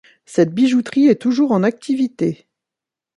Cette bijouterie est toujours en activité.